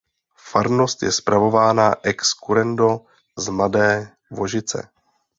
Farnost je spravována ex currendo z Mladé Vožice.